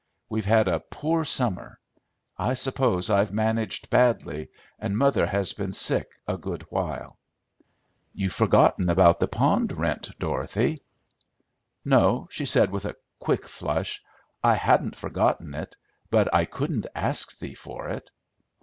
We've had a poor summer. I suppose I've managed badly, and mother has been sick a good while." "You've forgotten about the pond rent, Dorothy." "No," she said, with a quick flush, "I hadn't forgotten it, but I couldn't ask thee for it."